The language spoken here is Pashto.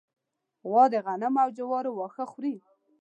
غوا د غنمو او جوارو واښه خوري.